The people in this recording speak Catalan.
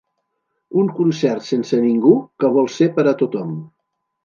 Un concert sense ningú que vol ser per a tothom.